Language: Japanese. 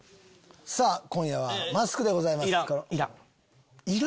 さぁ今夜は『マスク』でございます。